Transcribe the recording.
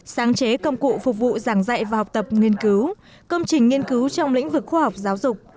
sáng chế công cụ phục vụ giảng dạy và học tập nghiên cứu công trình nghiên cứu trong lĩnh vực khoa học giáo dục